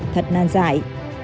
thật nan giải